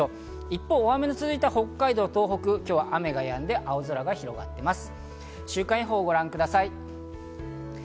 一方、大雨が続いた北海道、東北は雨がやんで、青空が広がっています。